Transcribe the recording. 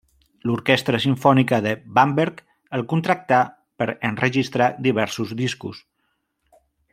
L'Orquestra Simfònica de Bamberg el contractà per enregistrar diversos discos.